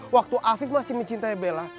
waktu afif masih mencintai bella